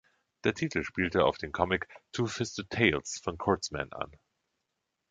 Der Titel spielte auf den Comic „Two-Fisted Tales“ von Kurtzman an.